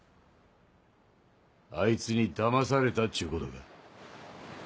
あいつにだまされたっちゅうことか？